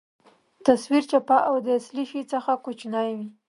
تصویر چپه او د اصلي شي څخه کوچنۍ وي.